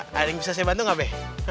nadine bisa saya bantu gak be